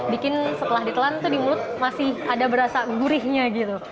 bikin setelah ditelan itu di mulut masih ada berasa gurihnya gitu